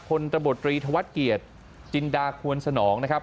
คนตะบดตรีธวัดเกียจจินดาควนสนองนะครับ